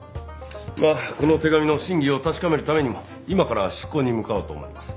まあこの手紙の真偽を確かめるためにも今から執行に向かおうと思います。